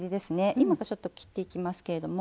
今からちょっと切っていきますけれども。